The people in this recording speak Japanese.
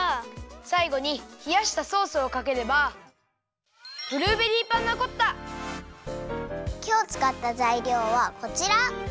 さいごにひやしたソースをかければきょうつかったざいりょうはこちら。